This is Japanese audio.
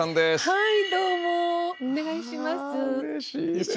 はい。